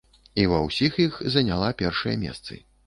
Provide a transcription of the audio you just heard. І ва ўсіх іх заняла першыя месцы.